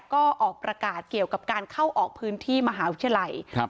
ก็ออกประกาศเกี่ยวกับการเข้าออกพื้นที่มหาวิทยาลัยครับ